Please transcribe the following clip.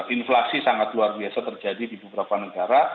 inflasi sangat luar biasa terjadi di beberapa negara